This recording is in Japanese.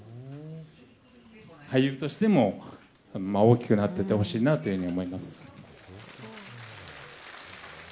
俳優としても大きくなってってほしいなというふうに思います。